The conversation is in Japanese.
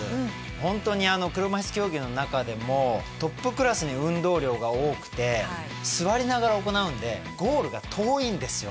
ほんとに車いす競技の中でもトップクラスに運動量が多くて座りながら行うんでゴールが遠いんですよ。